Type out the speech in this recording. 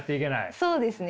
そうですね。